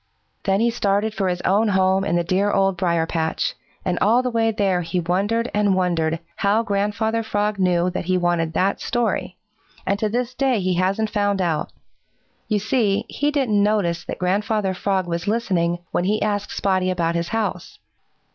Then he started for his own home in the dear Old Briar patch, and all the way there he wondered and wondered how Grandfather Frog knew that he wanted that story, and to this day he hasn't found out. You see, he didn't notice that Grandfather Frog was listening when he asked Spotty about his house.